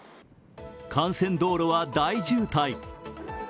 幹線道路は大渋滞。